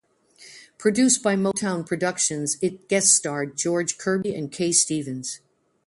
Produced by Motown Productions, it guest-starred George Kirby and Kaye Stevens.